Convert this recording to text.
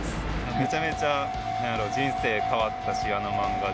めちゃめちゃ人生変わったし、あの漫画で。